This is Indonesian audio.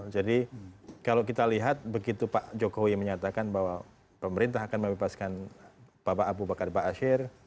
jadi kalau kita lihat begitu pak jokowi menyatakan bahwa pemerintah akan melepaskan bapak abu bakar ba'asyir